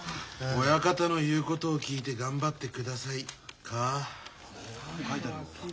「親方の言うことを聞いて頑張ってください」か。